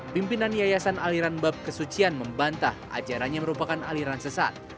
pimpinan yayasan aliran bab kesucian membantah ajarannya merupakan aliran sesat